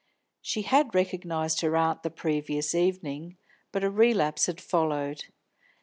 She had recognised her aunt the preceding evening, but a relapse had followed.